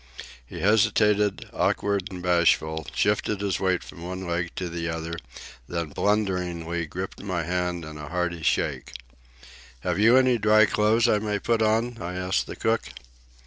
He hesitated, awkward and bashful, shifted his weight from one leg to the other, then blunderingly gripped my hand in a hearty shake. "Have you any dry clothes I may put on?" I asked the cook.